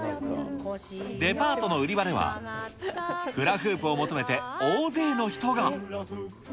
デパートの売り場では、フラフープを求めて大勢の人が。